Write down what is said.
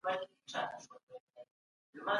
نړيوالي اړیکي د هیوادونو ترمنځ د پرمختګ لار پرانیزي.